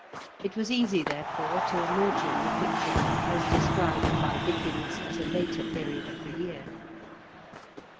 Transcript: It was easy, therefore, to imagine the picture as described by Dickens at a later period of the year.